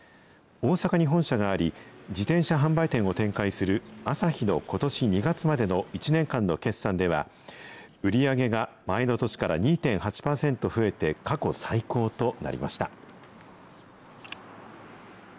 大阪に本社があり、自転車販売店を展開するあさひのことし２月までの１年間の決算では、売り上げが前の年から２．８％増えて過去最高となりました。